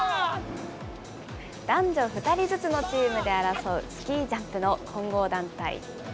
男女２人ずつのチームで争うスキージャンプの混合団体。